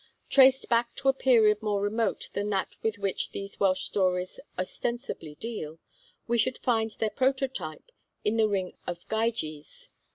Traced back to a period more remote than that with which these Welsh stories ostensibly deal, we should find their prototype in the ring of Gyges.